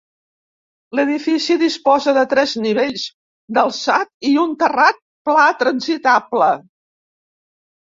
L'edifici disposa de tres nivells d'alçat i un terrat pla transitable.